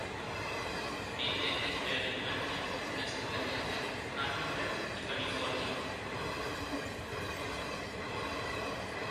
Vive entre Alemania, en las cercanías de Hanover y California.